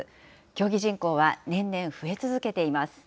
競技人口は年々増え続けています。